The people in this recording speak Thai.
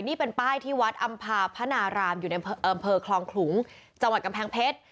นี่เป็นป้ายที่วัดอำภาพนารามอยู่ในอำเภอคลองขลุงจังหวัดกำแพงเพชร